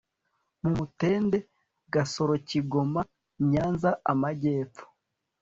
mu Mutende GasoroKigoma Nyanza Amajyepfo